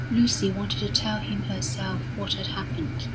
Lucy wanted to tell him herself what had happened.